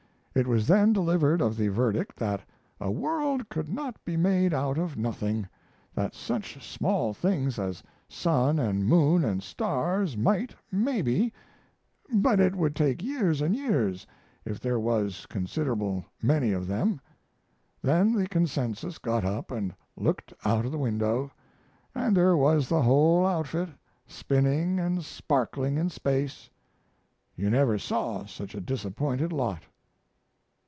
It was then delivered of the verdict that a world could not be made out of nothing; that such small things as sun and moon and stars might, maybe, but it would take years and years if there was considerable many of them. Then the Consensus got up and looked out of the window, and there was the whole outfit, spinning and sparkling in space! You never saw such a disappointed lot.